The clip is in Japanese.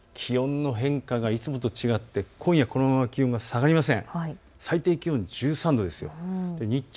気温の変化がいつもと違って今夜、このまま気温が下がりません。